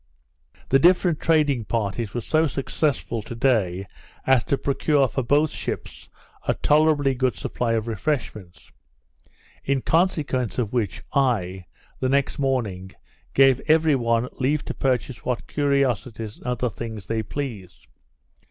The different trading parties were so successful to day as to procure for both ships a tolerably good supply of refreshments. In consequence of which, I, the next morning, gave every one leave to purchase what curiosities and other things they pleased.